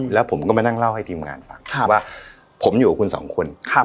แล้วผมก็มานั่งเล่าให้ทีมงานฟังว่าผมอยู่กับคุณสองคน